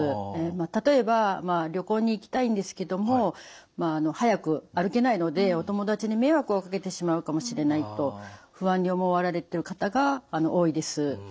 例えば「旅行に行きたいんですけども速く歩けないのでお友達に迷惑をかけてしまうかもしれない」と不安に思われてる方が多いです。